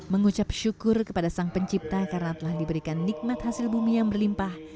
mengucap syukur kepada sang pencipta karena telah diberikan nikmat hasil bumi yang berlimpah